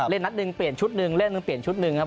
นัดหนึ่งเปลี่ยนชุดหนึ่งเล่นหนึ่งเปลี่ยนชุดหนึ่งครับ